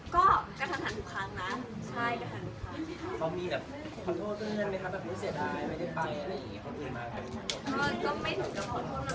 ก็ไม่ถึงกับขอโทษมันไม่ใช่เรื่องใหญ่โตอะไรครับ